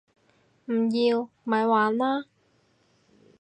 唔要！咪玩啦